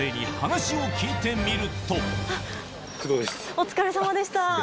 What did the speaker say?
お疲れさまでした。